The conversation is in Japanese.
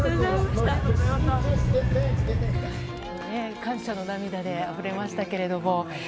感謝の涙であふれましたけれども。